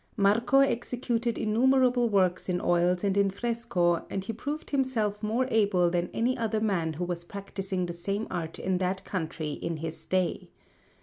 Marco executed innumerable works in oils and in fresco, and he proved himself more able than any other man who was practising the same art in that country in his day.